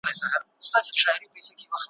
چي په زړو کي دښمنۍ وي چي له وروه انتقام وي `